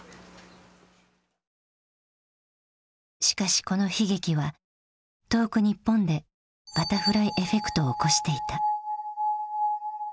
しかしこの悲劇は遠く日本で「バタフライエフェクト」を起こしていた。